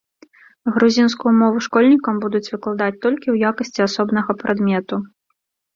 Грузінскую мову школьнікам будуць выкладаць толькі ў якасці асобнага прадмету.